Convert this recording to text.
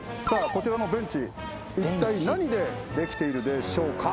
こちらのベンチ一体何でできているでしょうか？